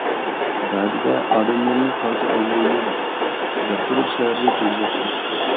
بەزىدە ئادەملەرنى قارىشى ئالمايمىز، دەپ تۇرۇپ شەھەرگە كىرگۈزەتتى.